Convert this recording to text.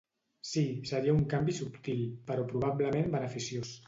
Sí, seria un canvi subtil, però probablement beneficiós.